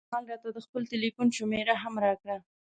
کمال راته د خپل ټیلفون شمېره هم راکړه.